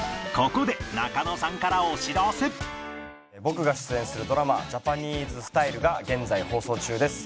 ここで僕が出演するドラマ『ジャパニーズスタイル』が現在放送中です。